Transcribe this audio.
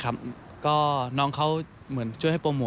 กลัวคนเข้าใจผิดไหม